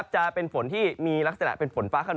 จะเป็นฝนที่มีลักษณะเป็นฝนฟ้าขนอ